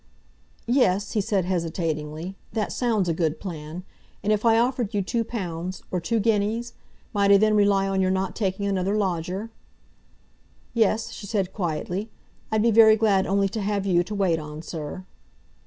"Yes," he said hesitatingly, "that sounds a good plan. And if I offered you two pounds, or two guineas? Might I then rely on your not taking another lodger?" "Yes," she said quietly. "I'd be very glad only to have you to wait on, sir."